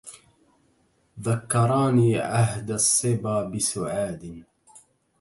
ذكراني عهد الصبا بسعاد